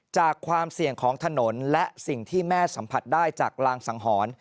ความเสี่ยงของถนนและสิ่งที่แม่สัมผัสได้จากรางสังหรณ์